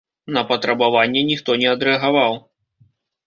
На патрабаванне ніхто не адрэагаваў.